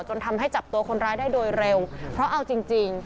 จนทำให้จับตัวคนร้ายได้โดยเร็วเพราะเอาจริงจริง